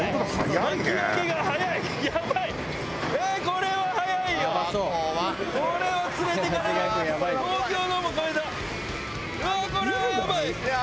これは速いよ。